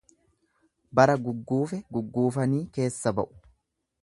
Bara gugguufe gugguufanii keessa ba'u.